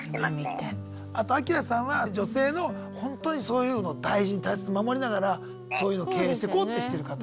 あとアキラさんは女性のホントにそういうのを大事に大切に守りながらそういうのを経営してこうってしてる方なんです。